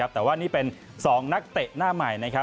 แต่ว่านี่เป็นสองนักเตะหน้าใหม่